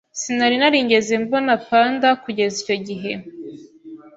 Sinari narigeze mbona panda kugeza icyo gihe.